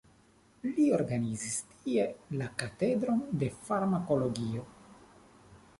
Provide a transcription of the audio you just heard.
Li organizis tie la katedron de farmakologio.